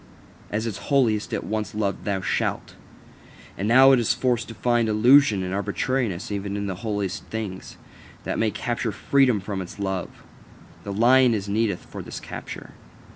As its holiest, it once loved "Thou shalt": now is it forced to find illusion and arbitrariness even in the holiest things, that it may capture freedom from its love: the lion is needed for this capture.